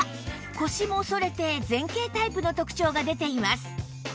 腰も反れて前傾タイプの特徴が出ています